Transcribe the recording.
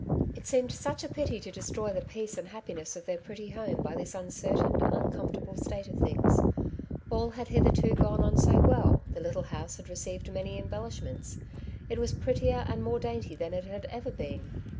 It seemed such a pity to destroy the peace and happiness of their pretty home by this uncertiain, uncomfortable state of things ; all had hitherto gone on so well, the little house had received many embellishments ; it was prettier and more dainty than it had ever been.